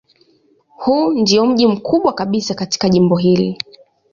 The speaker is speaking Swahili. Huu ndiyo mji mkubwa kabisa katika jimbo hili.